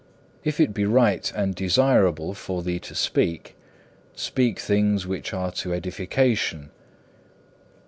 If it be right and desirable for thee to speak, speak things which are to edification.